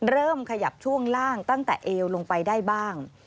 เริ่มขยับช่วงล่างตั้งแต่เอวลงไปได้บ้าง